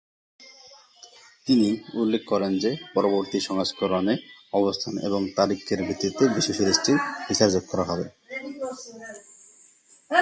তিনি উল্লেখ করেন যে পরবর্তী সংস্করণে অবস্থান এবং তারিখের ভিত্তিতে বিশ্ব সৃষ্টির ফিচার যোগ করা হবে।